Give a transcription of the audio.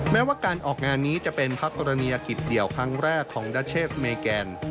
แม้ว่าการออกงานนี้จะเป็นพระกรณียกิจเดี่ยวครั้งแรกของดัชเชสเมแกน